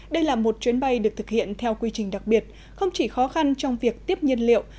đây là một chuyến bay được thực hiện theo quy trình đặc biệt không chỉ khó khăn trong việc tiếp nhiên liệu